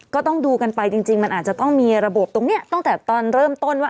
ก็ต้องดูกันไปจริงมันอาจจะต้องมีระบบตรงนี้ตั้งแต่ตอนเริ่มต้นว่า